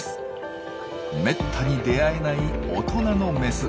めったに出会えない大人のメス。